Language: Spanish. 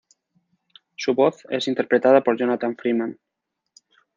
Su voz es interpretada por Jonathan Freeman.